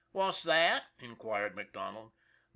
"What's that?" inquired MacDonald.